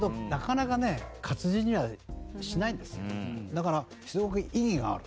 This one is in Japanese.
だからすごく意義がある。